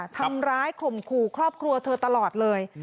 ทำร้ายคมขูขอบกลัวเธอตลอดเลย